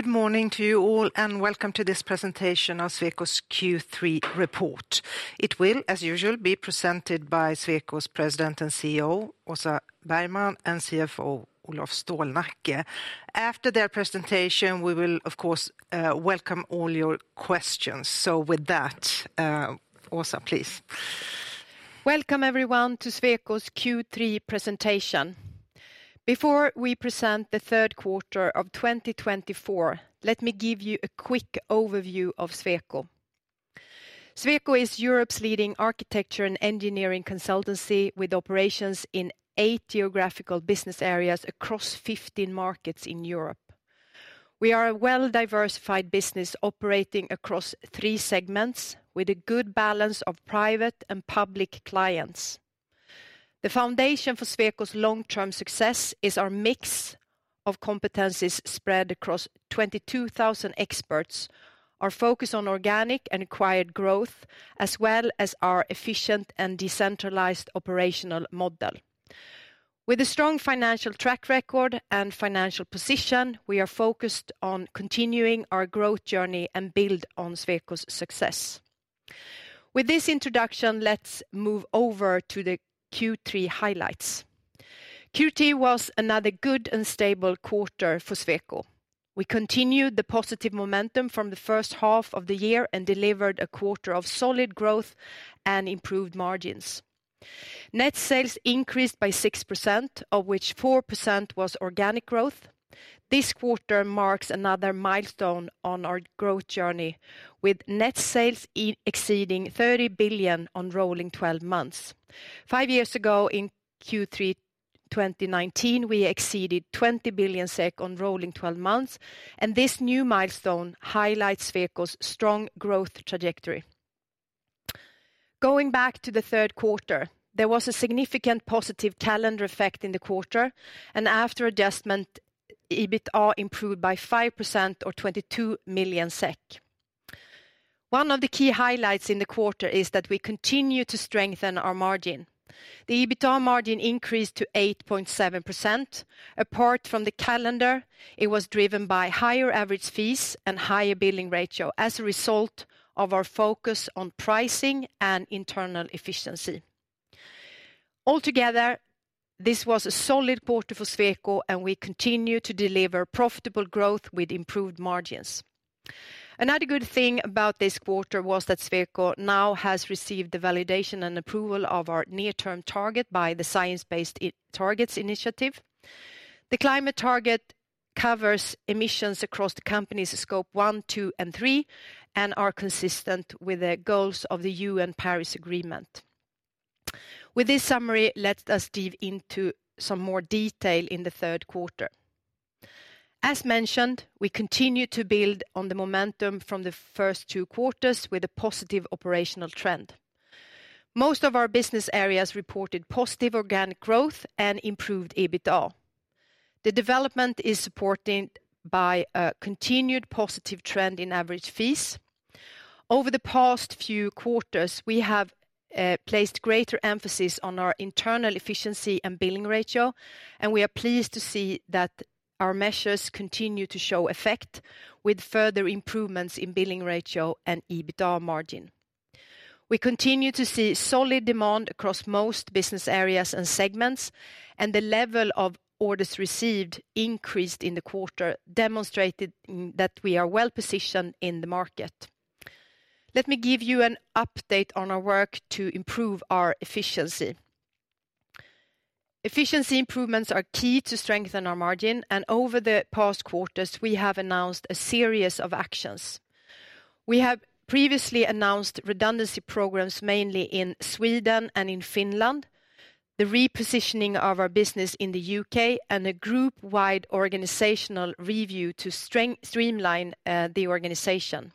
Good morning to you all, and welcome to this presentation on Sweco's Q3 report. It will, as usual, be presented by Sweco's President and CEO, Åsa Bergman, and CFO Olof Stålnacke. After their presentation, we will, of course, welcome all your questions. So with that, Åsa, please. Welcome everyone to Sweco's Q3 presentation. Before we present the third quarter of 2024, let me give you a quick overview of Sweco. Sweco is Europe's leading architecture and engineering consultancy with operations in eight geographical business areas across 15 markets in Europe. We are a well-diversified business operating across three segments with a good balance of private and public clients. The foundation for Sweco's long-term success is our mix of competencies spread across 22,000 experts, our focus on organic and acquired growth, as well as our efficient and decentralized operational model. With a strong financial track record and financial position, we are focused on continuing our growth journey and build on Sweco's success. With this introduction, let's move over to the Q3 highlights. Q3 was another good and stable quarter for Sweco. We continued the positive momentum from the first half of the year and delivered a quarter of solid growth and improved margins. Net sales increased by 6%, of which 4% was organic growth. This quarter marks another milestone on our growth journey, with net sales exceeding 30 billion on rolling 12 months. Five years ago, in Q3 2019, we exceeded 20 billion SEK on rolling 12 months, and this new milestone highlights Sweco's strong growth trajectory. Going back to the third quarter, there was a significant positive calendar effect in the quarter, and after adjustment, EBITA improved by 5%, or 22 million SEK. One of the key highlights in the quarter is that we continue to strengthen our margin. The EBITA margin increased to 8.7%. Apart from the calendar, it was driven by higher average fees and higher billing ratio as a result of our focus on pricing and internal efficiency. Altogether, this was a solid quarter for Sweco, and we continue to deliver profitable growth with improved margins. Another good thing about this quarter was that Sweco now has received the validation and approval of our near-term target by the Science Based Targets initiative. The climate target covers emissions across the companies' scope one, two, and three, and are consistent with the goals of the UN Paris Agreement. With this summary, let us dig into some more detail in the third quarter. As mentioned, we continue to build on the momentum from the first two quarters with a positive operational trend. Most of our business areas reported positive organic growth and improved EBITA. The development is supported by a continued positive trend in average fees. Over the past few quarters, we have placed greater emphasis on our internal efficiency and billing ratio, and we are pleased to see that our measures continue to show effect with further improvements in billing ratio and EBITA margin. We continue to see solid demand across most business areas and segments, and the level of orders received increased in the quarter, demonstrating that we are well positioned in the market. Let me give you an update on our work to improve our efficiency. Efficiency improvements are key to strengthen our margin, and over the past quarters, we have announced a series of actions. We have previously announced redundancy programs mainly in Sweden and in Finland, the repositioning of our business in the UK, and a group-wide organizational review to streamline the organization.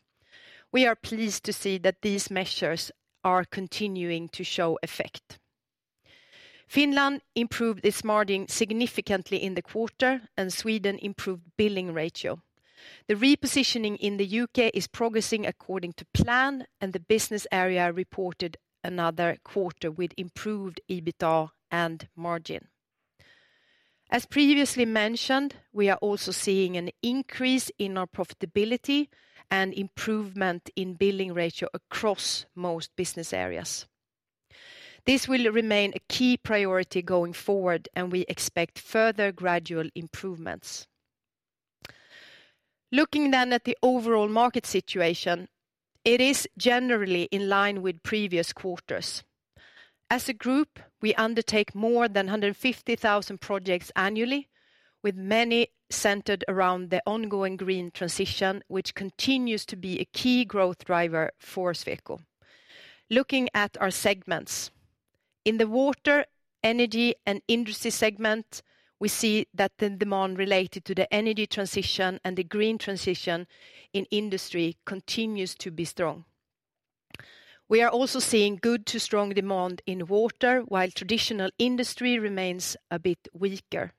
We are pleased to see that these measures are continuing to show effect. Finland improved its margin significantly in the quarter, and Sweden improved billing ratio. The repositioning in the UK is progressing according to plan, and the business area reported another quarter with improved EBITA and margin. As previously mentioned, we are also seeing an increase in our profitability and improvement in billing ratio across most business areas. This will remain a key priority going forward, and we expect further gradual improvements. Looking then at the overall market situation, it is generally in line with previous quarters. As a group, we undertake more than 150,000 projects annually, with many centered around the ongoing green transition, which continues to be a key growth driver for Sweco. Looking at our segments, in the water, energy, and industry segment, we see that the demand related to the energy transition and the green transition in industry continues to be strong. We are also seeing good to strong demand in water, while traditional industry remains a bit weaker.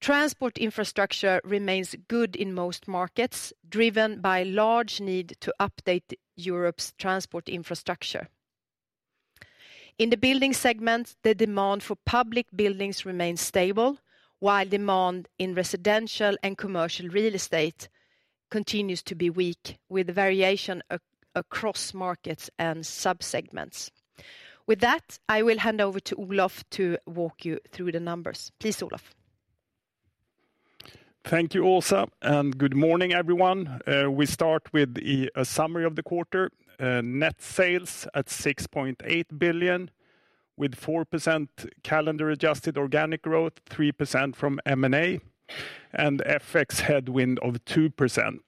Transport infrastructure remains good in most markets, driven by a large need to update Europe's transport infrastructure. In the building segment, the demand for public buildings remains stable, while demand in residential and commercial real estate continues to be weak, with variation across markets and subsegments. With that, I will hand over to Olof to walk you through the numbers. Please, Olof. Thank you, Åsa, and good morning, everyone. We start with a summary of the quarter. Net sales at 6.8 billion, with 4% calendar-adjusted organic growth, 3% from M&A, and FX headwind of 2%.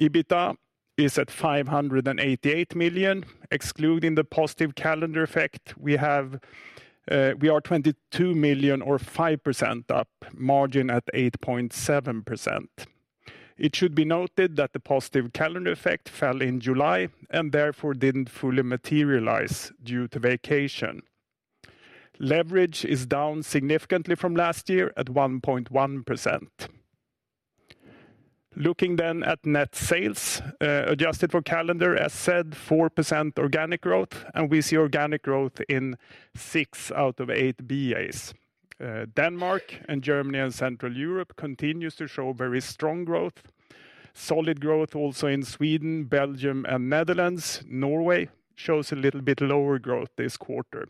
EBITA is at 588 million. Excluding the positive calendar effect, we are 22 million, or 5% up, margin at 8.7%. It should be noted that the positive calendar effect fell in July and therefore didn't fully materialize due to vacation. Leverage is down significantly from last year at 1.1%. Looking then at net sales adjusted for calendar, as said, 4% organic growth, and we see organic growth in six out of eight BAs. Denmark and Germany and Central Europe continue to show very strong growth. Solid growth also in Sweden, Belgium, and Netherlands. Norway shows a little bit lower growth this quarter.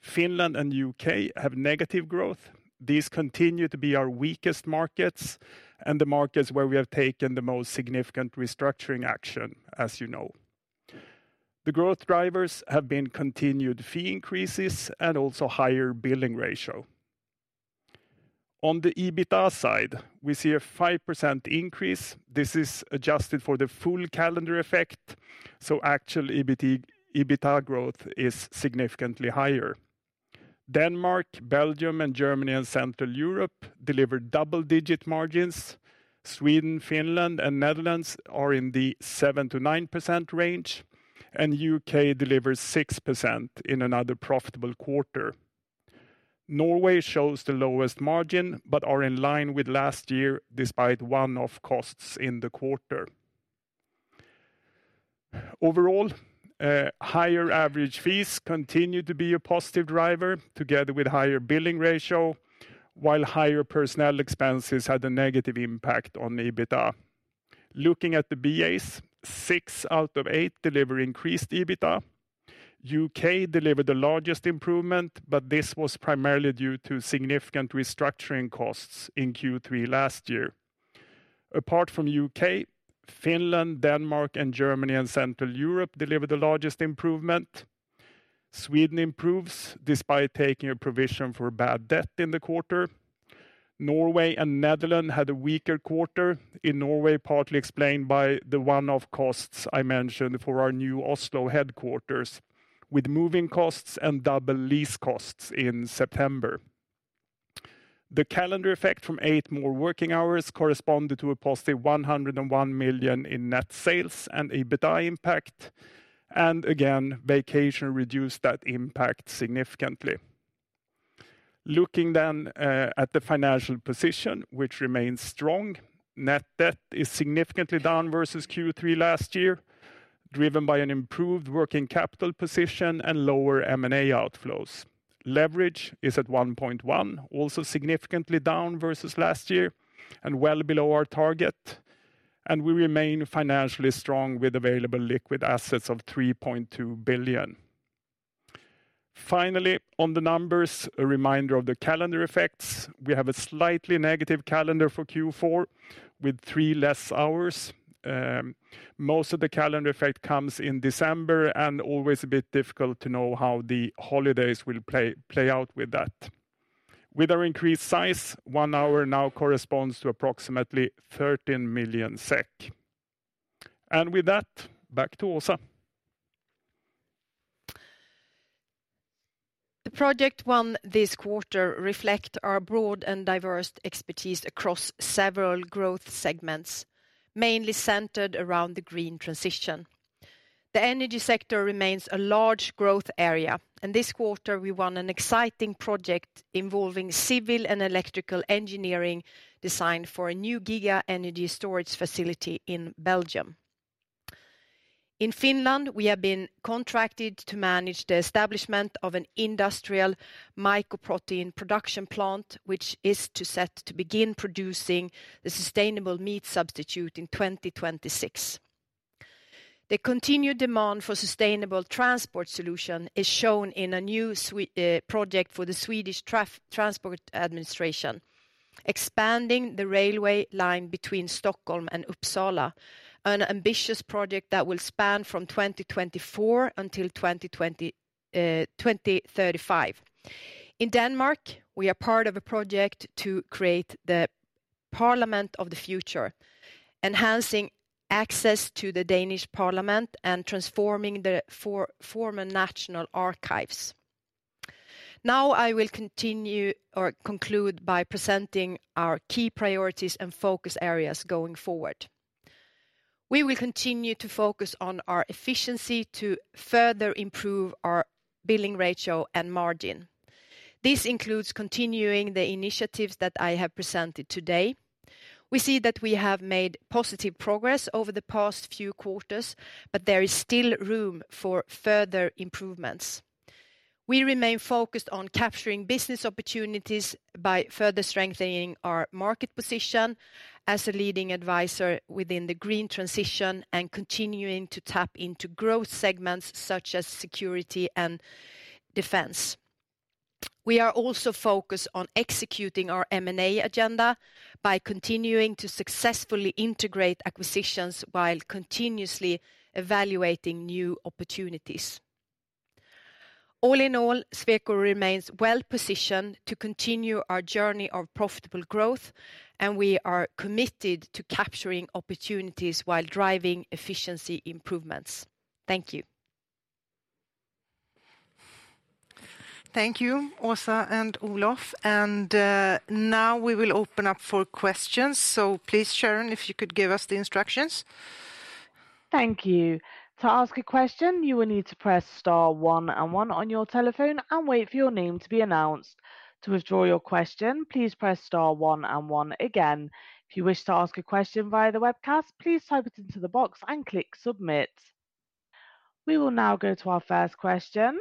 Finland and UK have negative growth. These continue to be our weakest markets and the markets where we have taken the most significant restructuring action, as you know. The growth drivers have been continued fee increases and also higher billing ratio. On the EBITA side, we see a 5% increase. This is adjusted for the full calendar effect, so actual EBITA growth is significantly higher. Denmark, Belgium, Germany, and Central Europe deliver double-digit margins. Sweden, Finland, and Netherlands are in the 7%-9% range, and UK delivers 6% in another profitable quarter. Norway shows the lowest margin but is in line with last year despite one-off costs in the quarter. Overall, higher average fees continue to be a positive driver together with higher billing ratio, while higher personnel expenses had a negative impact on EBITA. Looking at the BAs, six out of eight deliver increased EBITA. UK delivered the largest improvement, but this was primarily due to significant restructuring costs in Q3 last year. Apart from UK, Finland, Denmark, Germany, and Central Europe delivered the largest improvement. Sweden improves despite taking a provision for bad debt in the quarter. Norway and Netherlands had a weaker quarter, in Norway partly explained by the one-off costs I mentioned for our new Oslo headquarters, with moving costs and double lease costs in September. The calendar effect from eight more working hours corresponded to a positive 101 million in net sales and EBITA impact, and again, vacation reduced that impact significantly. Looking then at the financial position, which remains strong, net debt is significantly down versus Q3 last year, driven by an improved working capital position and lower M&A outflows. Leverage is at 1.1, also significantly down versus last year and well below our target, and we remain financially strong with available liquid assets of 3.2 billion SEK. Finally, on the numbers, a reminder of the calendar effects. We have a slightly negative calendar for Q4 with three less hours. Most of the calendar effect comes in December and always a bit difficult to know how the holidays will play out with that. With our increased size, one hour now corresponds to approximately 13 million SEK. And with that, back to Åsa. The project won this quarter reflecting our broad and diverse expertise across several growth segments, mainly centered around the green transition. The energy sector remains a large growth area, and this quarter we won an exciting project involving civil and electrical engineering designed for a new giga energy storage facility in Belgium. In Finland, we have been contracted to manage the establishment of an industrial mycoprotein production plant, which is set to begin producing the sustainable meat substitute in 2026. The continued demand for sustainable transport solutions is shown in a new project for the Swedish Transport Administration, expanding the railway line between Stockholm and Uppsala, an ambitious project that will span from 2024 until 2035. In Denmark, we are part of a project to create the Parliament of the Future, enhancing access to the Danish Parliament and transforming the former national archives. Now I will continue or conclude by presenting our key priorities and focus areas going forward. We will continue to focus on our efficiency to further improve our billing ratio and margin. This includes continuing the initiatives that I have presented today. We see that we have made positive progress over the past few quarters, but there is still room for further improvements. We remain focused on capturing business opportunities by further strengthening our market position as a leading advisor within the green transition and continuing to tap into growth segments such as security and defense. We are also focused on executing our M&A agenda by continuing to successfully integrate acquisitions while continuously evaluating new opportunities. All in all, Sweco remains well positioned to continue our journey of profitable growth, and we are committed to capturing opportunities while driving efficiency improvements. Thank you. Thank you, Åsa and Olof. And now we will open up for questions. So please, Sharon, if you could give us the instructions. Thank you. To ask a question, you will need to press star one and one on your telephone and wait for your name to be announced. To withdraw your question, please press star one and one again. If you wish to ask a question via the webcast, please type it into the box and click submit. We will now go to our first question.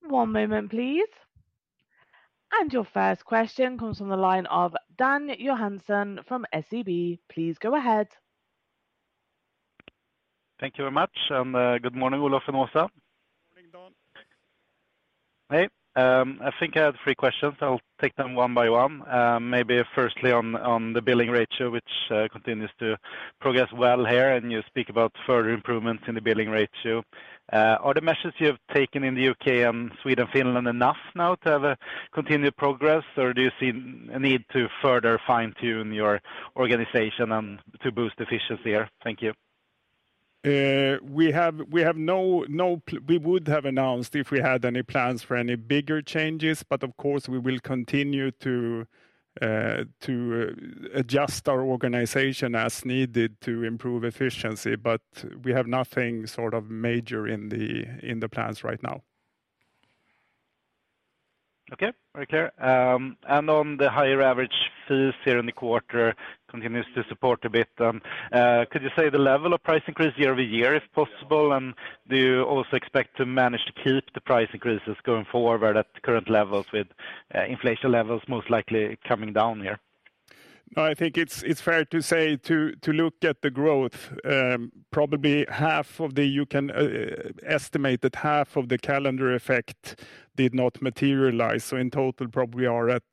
One moment, please. And your first question comes from the line of Dan Johansson from SEB. Please go ahead. Thank you very much. And good morning, Olof and Åsa. Morning, Dan. Hey. I think I had three questions. I'll take them one by one. Maybe firstly on the billing ratio, which continues to progress well here, and you speak about further improvements in the billing ratio. Are the measures you have taken in the U.K. and Sweden and Finland enough now to have a continued progress, or do you see a need to further fine-tune your organization and to boost efficiency here? Thank you. We have no plan. We would have announced if we had any plans for any bigger changes, but of course, we will continue to adjust our organization as needed to improve efficiency, but we have nothing sort of major in the plans right now. Okay, very clear. And on the higher average fees here in the quarter, continues to support a bit. And could you say the level of price increase year over year, if possible? And do you also expect to manage to keep the price increases going forward at current levels with inflation levels most likely coming down here? I think it's fair to say, to look at the growth, probably half of the, you can estimate that half of the calendar effect did not materialize. So in total, probably we are at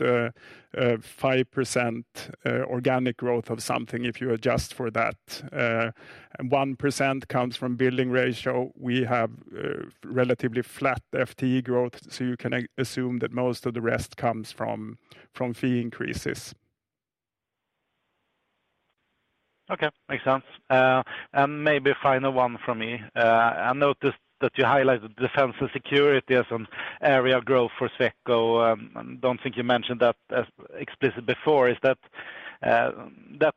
5% organic growth of something if you adjust for that. 1% comes from billing ratio. We have relatively flat FTE growth, so you can assume that most of the rest comes from fee increases. Okay, makes sense. And maybe final one from me. I noticed that you highlighted defense and security as an area of growth for Sweco. I don't think you mentioned that explicitly before. Is that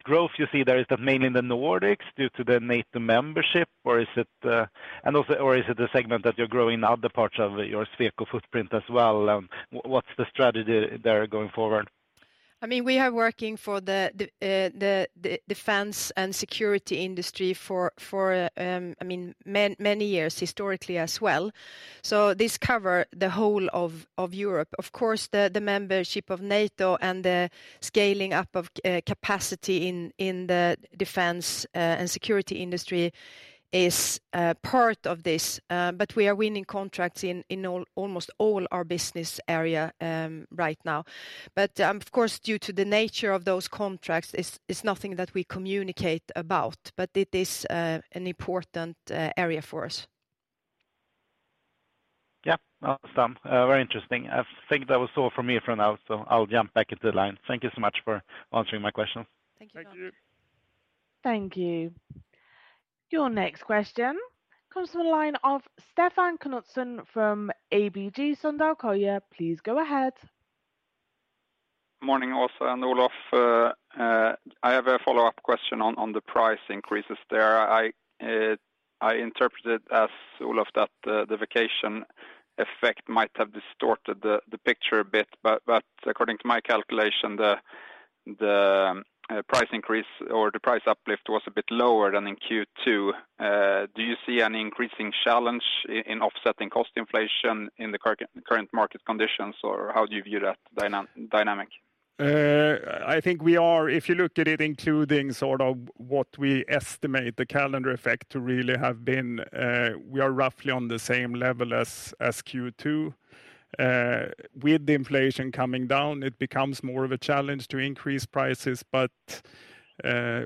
growth you see there, is that mainly in the Nordics due to the NATO membership, or is it, and also, or is it a segment that you're growing in other parts of your Sweco footprint as well? And what's the strategy there going forward? I mean, we have been working for the defense and security industry for, I mean, many years historically as well. So this covers the whole of Europe. Of course, the membership of NATO and the scaling up of capacity in the defense and security industry is part of this, but we are winning contracts in almost all our business area right now. But of course, due to the nature of those contracts, it's nothing that we communicate about, but it is an important area for us. Yeah, awesome. Very interesting. I think that was all from me for now, so I'll jump back into the line. Thank you so much for answering my questions. Thank you. Thank you. Thank you. Your next question comes from the line of Stefan Knutsson from ABG Sundal Collier. Please go ahead. Morning, Åsa and Olof. I have a follow-up question on the price increases there. I interpreted as Olof that the vacation effect might have distorted the picture a bit, but according to my calculation, the price increase or the price uplift was a bit lower than in Q2. Do you see any increasing challenge in offsetting cost inflation in the current market conditions, or how do you view that dynamic? I think we are, if you look at it including sort of what we estimate the calendar effect to really have been, we are roughly on the same level as Q2. With the inflation coming down, it becomes more of a challenge to increase prices, but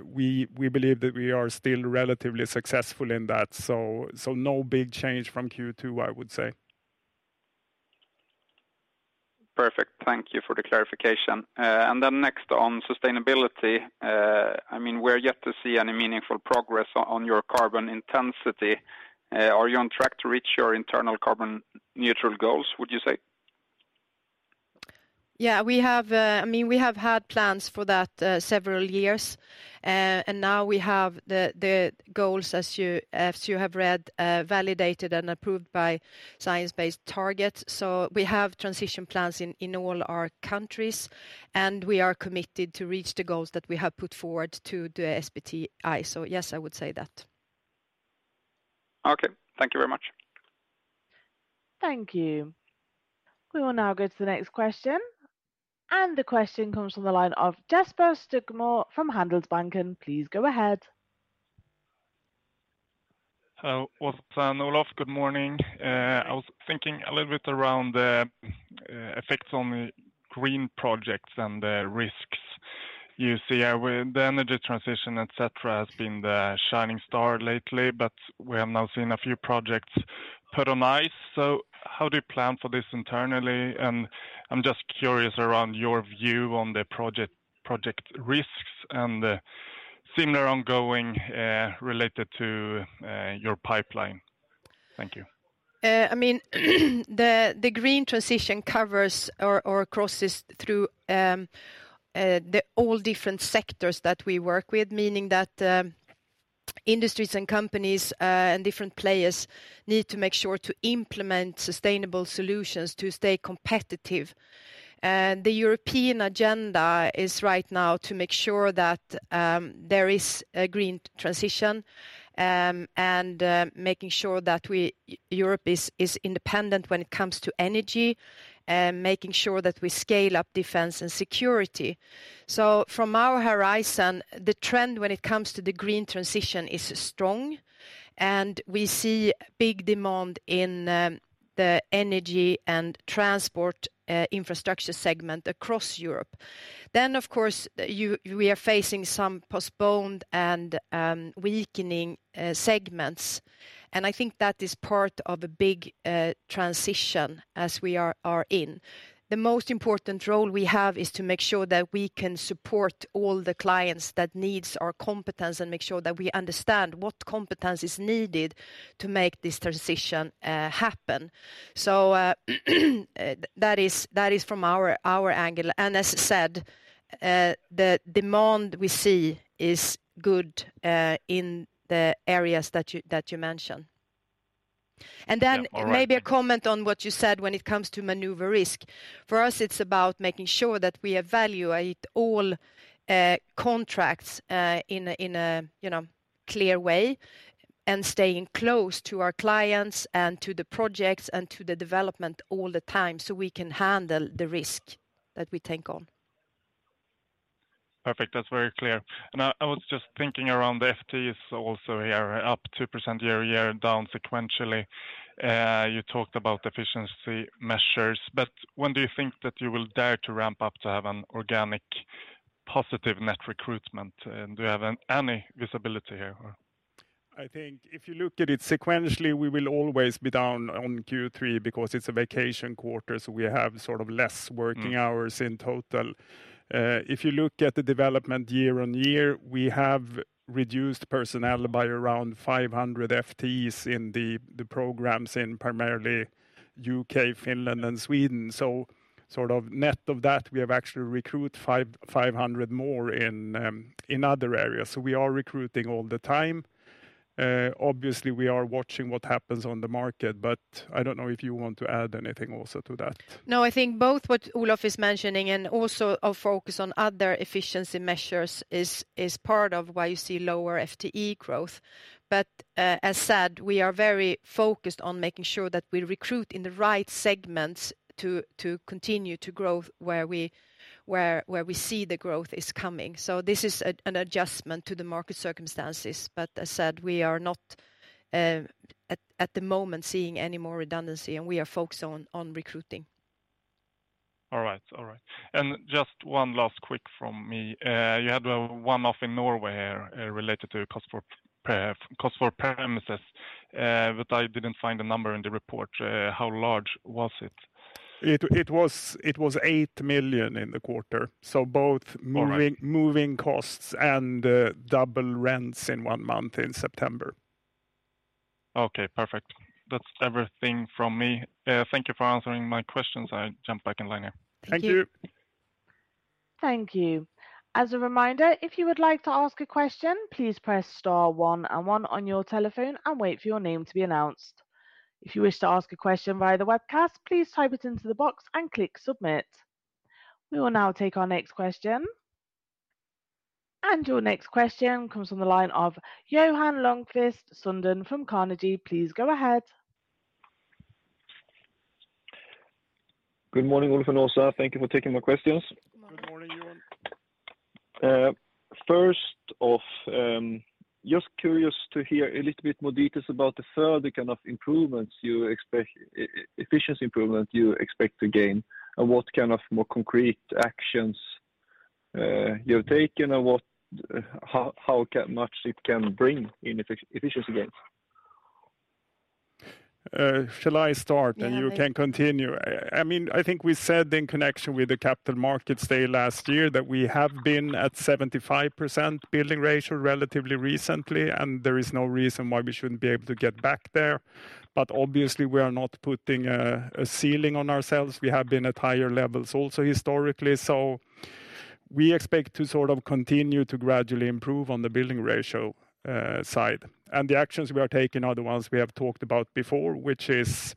we believe that we are still relatively successful in that. So no big change from Q2, I would say. Perfect. Thank you for the clarification. And then next on sustainability, I mean, we're yet to see any meaningful progress on your carbon intensity. Are you on track to reach your internal carbon neutral goals, would you say? Yeah, I mean, we have had plans for that several years, and now we have the goals, as you have read, validated and approved by Science Based Targets. So we have transition plans in all our countries, and we are committed to reach the goals that we have put forward to the SBTI. So yes, I would say that. Okay, thank you very much. Thank you. We will now go to the next question. And the question comes from the line of Jesper Siegmo from Handelsbanken. Please go ahead. Hello, Åsa and Olof. Good morning. I was thinking a little bit around the effects on the green projects and the risks you see. The energy transition, etc., has been the shining star lately, but we have now seen a few projects put on ice. So how do you plan for this internally? And I'm just curious around your view on the project risks and similar ongoing related to your pipeline. Thank you. I mean, the green transition covers or crosses through all the different sectors that we work with, meaning that industries and companies and different players need to make sure to implement sustainable solutions to stay competitive. The European agenda is right now to make sure that there is a green transition and making sure that Europe is independent when it comes to energy, making sure that we scale up defense and security. So from our horizon, the trend when it comes to the green transition is strong, and we see big demand in the energy and transport infrastructure segment across Europe. Then, of course, we are facing some postponed and weakening segments, and I think that is part of a big transition as we are in. The most important role we have is to make sure that we can support all the clients that need our competence and make sure that we understand what competence is needed to make this transition happen. So that is from our angle. And as said, the demand we see is good in the areas that you mentioned. And then maybe a comment on what you said when it comes to maneuver risk. For us, it's about making sure that we evaluate all contracts in a clear way and staying close to our clients and to the projects and to the development all the time so we can handle the risk that we take on. Perfect. That's very clear. And I was just thinking around the FTEs also here, up 2% year over year, down sequentially. You talked about efficiency measures, but when do you think that you will dare to ramp up to have an organic positive net recruitment? Do you have any visibility here? I think if you look at it sequentially, we will always be down on Q3 because it's a vacation quarter, so we have sort of less working hours in total. If you look at the development year on year, we have reduced personnel by around 500 FTEs in the programs in primarily U.K., Finland, and Sweden. So sort of net of that, we have actually recruited 500 more in other areas. So we are recruiting all the time. Obviously, we are watching what happens on the market, but I don't know if you want to add anything also to that. No, I think both what Olof is mentioning and also our focus on other efficiency measures is part of why you see lower FTE growth, but as said, we are very focused on making sure that we recruit in the right segments to continue to grow where we see the growth is coming, so this is an adjustment to the market circumstances, but as said, we are not at the moment seeing any more redundancy, and we are focused on recruiting. All right, all right, and just one last quick from me. You had one-off in Norway here related to cost for premises, but I didn't find the number in the report. How large was it? It was 8 million in the quarter. So both moving costs and double rents in one month in September. Okay, perfect. That's everything from me. Thank you for answering my questions. I'll jump back in line here. Thank you. Thank you. As a reminder, if you would like to ask a question, please press star one and one on your telephone and wait for your name to be announced. If you wish to ask a question via the webcast, please type it into the box and click submit. We will now take our next question. And your next question comes from the line of Johan Lönnqvist from Carnegie. Please go ahead. Good morning, Olof and Åsa. Thank you for taking my questions. Good morning, Johan. First off, just curious to hear a little bit more details about the further kind of improvements, efficiency improvements you expect to gain, and what kind of more concrete actions you have taken and how much it can bring in efficiency gains? Shall I start, and you can continue? I mean, I think we said in connection with the capital markets day last year that we have been at 75% billing ratio relatively recently, and there is no reason why we shouldn't be able to get back there but obviously, we are not putting a ceiling on ourselves. We have been at higher levels also historically so we expect to sort of continue to gradually improve on the billing ratio side and the actions we are taking are the ones we have talked about before, which is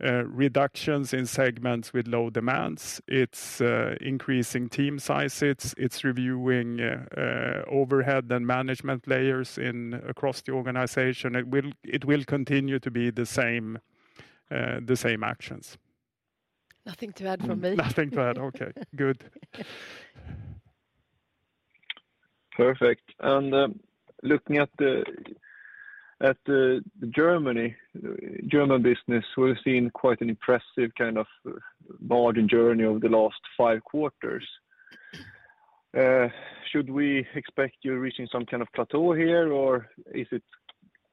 reductions in segments with low demands. It's increasing team sizes. It's reviewing overhead and management layers across the organization. It will continue to be the same actions. Nothing to add from me. Nothing to add. Okay, good. Perfect. And looking at Germany, German business will have seen quite an impressive kind of margin journey over the last five quarters. Should we expect you reaching some kind of plateau here, or is it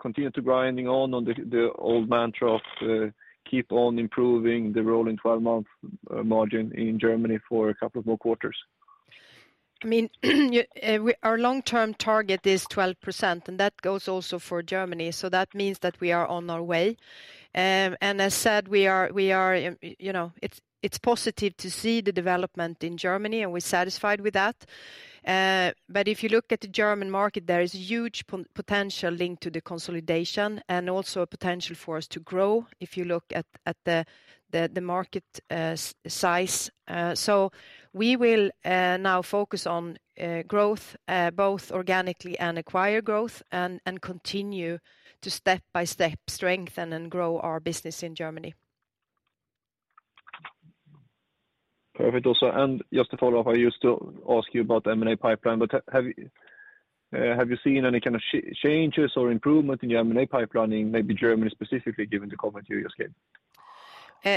continue to grinding on the old mantra of keep on improving the rolling 12-month margin in Germany for a couple of more quarters? I mean, our long-term target is 12%, and that goes also for Germany. So that means that we are on our way. And as said, it's positive to see the development in Germany, and we're satisfied with that. But if you look at the German market, there is huge potential linked to the consolidation and also a potential for us to grow if you look at the market size. So we will now focus on growth, both organically and acquired growth, and continue to step by step strengthen and grow our business in Germany. Perfect, Åsa. And just to follow up, I used to ask you about the M&A pipeline, but have you seen any kind of changes or improvement in your M&A pipeline in maybe Germany specifically given the comment you just gave?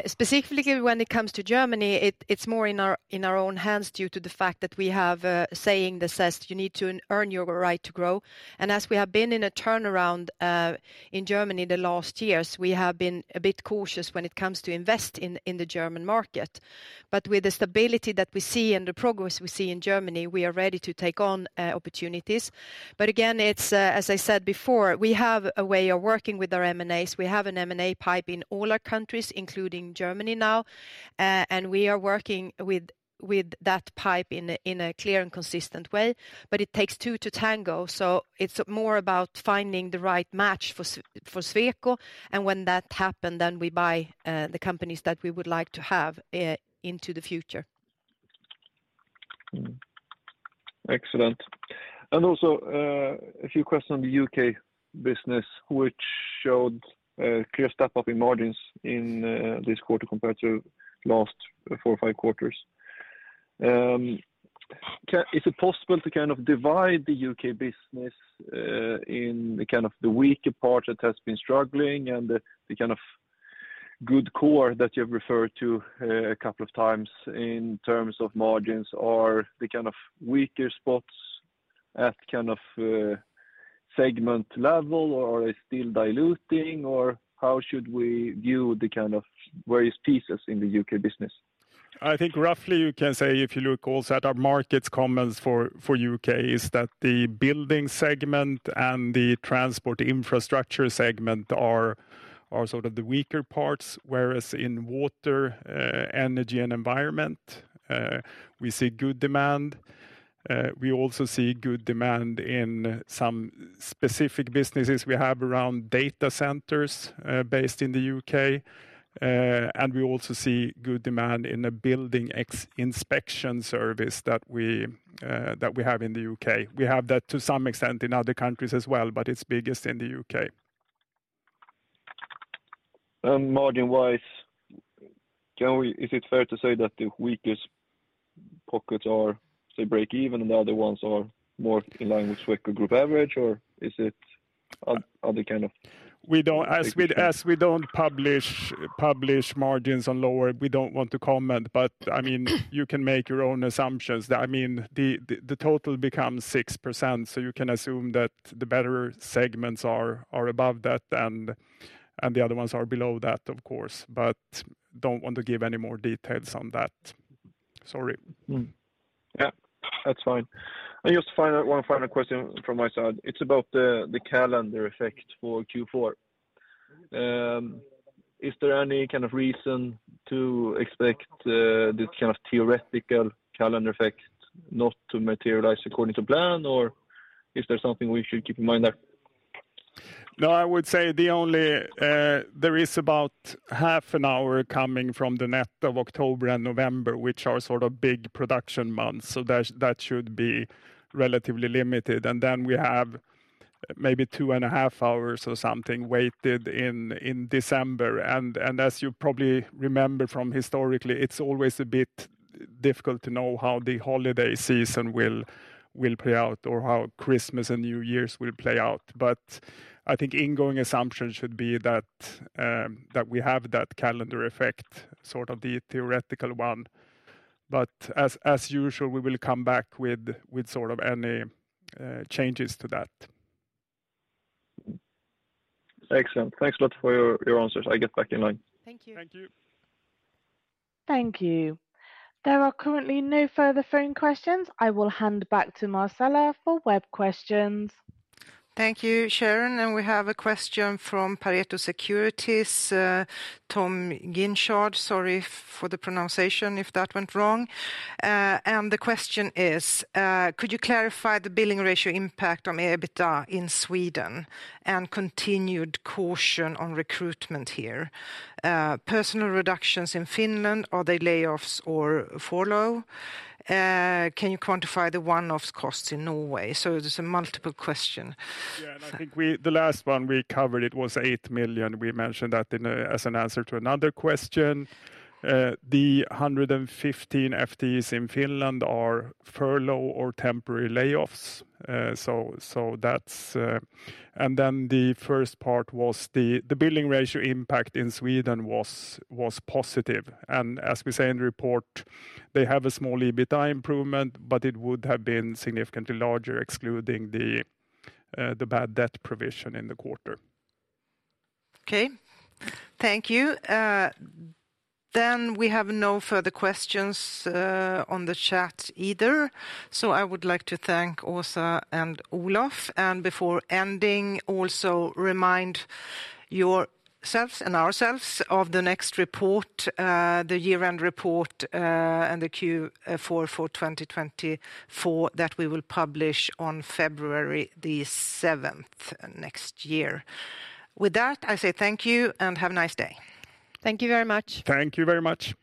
Specifically when it comes to Germany, it's more in our own hands due to the fact that we have a saying that says, "You need to earn your right to grow." And as we have been in a turnaround in Germany the last years, we have been a bit cautious when it comes to invest in the German market. But with the stability that we see and the progress we see in Germany, we are ready to take on opportunities. But again, as I said before, we have a way of working with our M&As. We have an M&A pipe in all our countries, including Germany now, and we are working with that pipe in a clear and consistent way. But it takes two to tango, so it's more about finding the right match for Sweco, and when that happens, then we buy the companies that we would like to have into the future. Excellent. And also a few questions on the U.K. business, which showed a clear step up in margins in this quarter compared to last four or five quarters. Is it possible to kind of divide the U.K. business in the kind of the weaker part that has been struggling and the kind of good core that you have referred to a couple of times in terms of margins? Are the kind of weaker spots at kind of segment level, or are they still diluting, or how should we view the kind of various pieces in the U.K. business? I think roughly you can say if you look also at our markets comments for U.K. is that the building segment and the transport infrastructure segment are sort of the weaker parts, whereas in water, energy, and environment, we see good demand. We also see good demand in some specific businesses we have around data centers based in the U.K., and we also see good demand in a building inspection service that we have in the U.K. We have that to some extent in other countries as well, but it's biggest in the U.K. Margin-wise, is it fair to say that the weakest pockets are, say, break even and the other ones are more in line with Sweco group average, or is it other kind of? As we don't publish margins on lower, we don't want to comment, but I mean, you can make your own assumptions. I mean, the total becomes 6%, so you can assume that the better segments are above that and the other ones are below that, of course, but don't want to give any more details on that. Sorry. Yeah, that's fine. And just one final question from my side. It's about the calendar effect for Q4. Is there any kind of reason to expect this kind of theoretical calendar effect not to materialize according to plan, or is there something we should keep in mind there? No, I would say the only thing there is about half an hour coming from the end of October and November, which are sort of big production months, so that should be relatively limited, and then we have maybe two and a half hours or something weighted in December. As you probably remember historically, it's always a bit difficult to know how the holiday season will play out or how Christmas and New Year's will play out. I think going-in assumptions should be that we have that calendar effect, sort of the theoretical one, but as usual, we will come back with sort of any changes to that. Excellent. Thanks a lot for your answers. I'll get back in line. Thank you. Thank you. Thank you. There are currently no further phone questions. I will hand back to Marcela for web questions. Thank you, Sharon. And we have a question from Pareto Securities, Tom Ginchard. Sorry for the pronunciation if that went wrong. And the question is, could you clarify the billing ratio impact on EBITA in Sweden and continued caution on recruitment here? Personnel reductions in Finland, are they layoffs or furlough? Can you quantify the one-off costs in Norway? So it's a multiple question. Yeah, and I think the last one we covered, it was 8 million. We mentioned that as an answer to another question. The 115 FTEs in Finland are furlough or temporary layoffs, and then the first part was the billing ratio impact in Sweden was positive, and as we say in the report, they have a small EBITA improvement, but it would have been significantly larger excluding the bad debt provision in the quarter. Okay, thank you. Then we have no further questions on the chat either. So I would like to thank Åsa and Olof. And before ending, also remind yourselves and ourselves of the next report, the year-end report and the Q4 for 2024 that we will publish on February the 7th next year. With that, I say thank you and have a nice day. Thank you very much. Thank you very much.